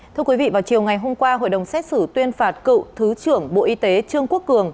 thưa quý vị vào chiều ngày hôm qua hội đồng xét xử tuyên phạt cựu thứ trưởng bộ y tế trương quốc cường